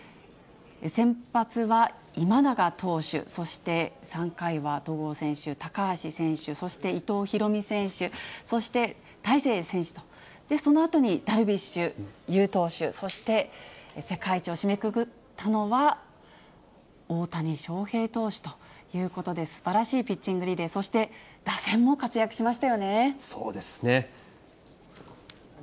先発は今永投手、そして３回は戸郷選手、高橋選手、そして伊藤大海選手、そして大勢選手と、そのあとにダルビッシュ有投手、そして、世界一を締めくくったのは、大谷翔平投手ということで、すばらしいピッチングリレー、そうですね。